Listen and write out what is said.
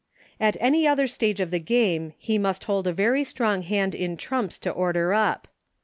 At any other stage of the game he must hold a very strong hand in trumps to order up.